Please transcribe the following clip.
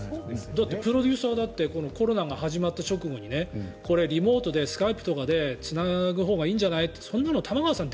だってプロデューサーだってコロナが始まった直後にリモートとかスカイプでつなぐほうがいいじゃないってそんなの玉川さん